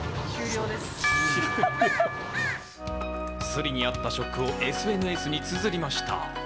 スリに遭ったショックをＳＮＳにつづりました。